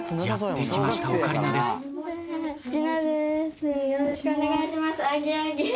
よろしくお願いします。